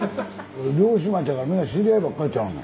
漁師町やからみんな知り合いばっかりちゃうの？